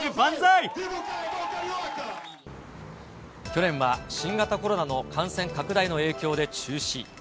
去年は新型コロナの感染拡大の影響で中止。